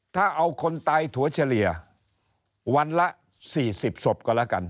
ถ้าเอาคนตายถั่วเฉลี่ยวันละ๔๐ศพก็แล้วกัน